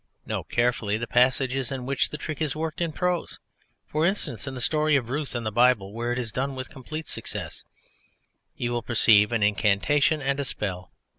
Note carefully the passages in which the trick is worked in prose (for instance, in the story of Ruth in the Bible, where it is done with complete success), you will perceive an incantation and a spell.